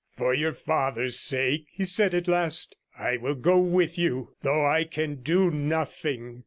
'For your father's sake,' he said at last, 'I will go with you, though I can do nothing.'